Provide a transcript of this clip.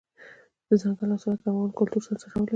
دځنګل حاصلات د افغان کلتور سره تړاو لري.